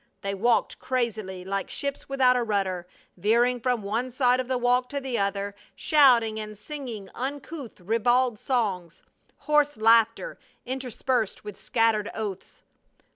They walked crazily, like ships without a rudder, veering from one side of the walk to the other, shouting and singing uncouth, ribald songs, hoarse laughter interspersed with scattered oaths.